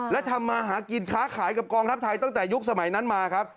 และทำมาหากินค้าขายกับกองทัพไทยตั้งแต่ยุคสมัยนั้นมาครับ